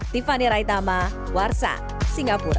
tiffany raitama warsan singapura